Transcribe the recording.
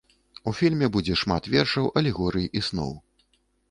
У фільме будзе шмат вершаў, алегорый і сноў.